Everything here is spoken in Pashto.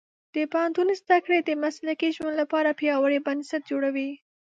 د پوهنتون زده کړې د مسلکي ژوند لپاره پیاوړي بنسټ جوړوي.